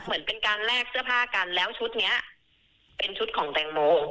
เหมือนเป็นการแลกเสื้อผ้ากันแล้วชุดนี้เป็นชุดของแตงโม